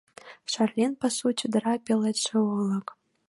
Шарлен пасу, чодыра, пеледше олык.